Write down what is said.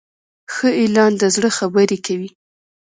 ښه اعلان د زړه خبرې کوي.